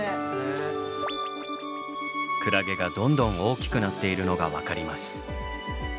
クラゲがどんどん大きくなっているのが分かります。